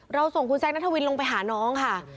ส่งคุณแซคนัทวินลงไปหาน้องค่ะ